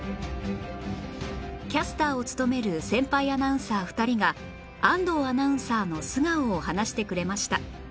キャスターを務める先輩アナウンサー２人が安藤アナウンサーの素顔を話してくれました